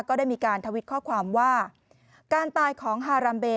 ก็ได้มีการทวิตข้อความว่าการตายของฮารัมเบ